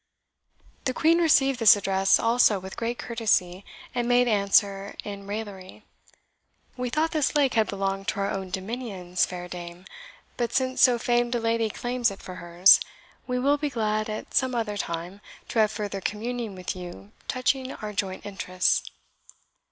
The Queen received this address also with great courtesy, and made answer in raillery, "We thought this lake had belonged to our own dominions, fair dame; but since so famed a lady claims it for hers, we will be glad at some other time to have further communing with you touching our joint interests."